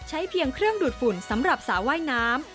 เพียงเครื่องดูดฝุ่นสำหรับสระว่ายน้ำ